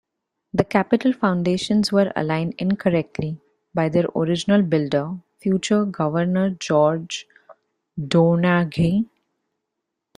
The Capitol foundations were aligned incorrectly by their original builder, future Governor George Donaghey.